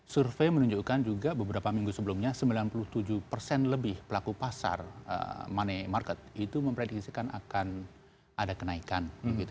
survei menunjukkan juga beberapa minggu sebelumnya sembilan puluh tujuh persen lebih pelaku pasar money market itu memprediksikan akan ada kenaikan